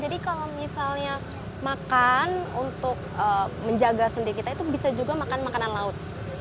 jadi kalau misalnya makan untuk menjaga sendi kita itu bisa juga makan makanan laut